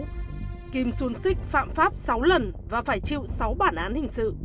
đến năm hai nghìn một mươi sáu kim xuân xích phạm pháp sáu lần và phải chịu sáu bản án hình sự